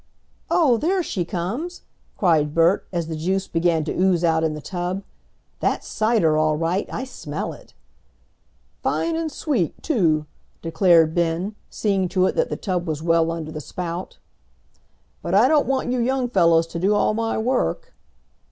"Oh, there she comes!" cried Bert, as the juice began to ooze out in the tub. "That's cider, all right! I smell it." "Fine and sweet too," declared Ben, seeing to it that the tub was well under the spout. "But I don't want you young fellows to do all my work."